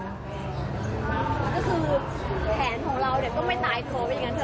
ก็คือแผนของเราเนี่ยก็ไม่ตายโทรไปด้วยกันเถอะ